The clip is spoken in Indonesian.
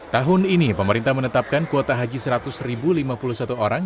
tahun ini pemerintah menetapkan kuota haji seratus lima puluh satu orang